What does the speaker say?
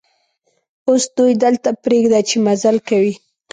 اوس دوی دلته پرېږده چې مزل کوي.